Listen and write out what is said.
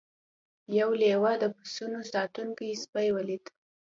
یو لیوه د پسونو ساتونکی سپی ولید.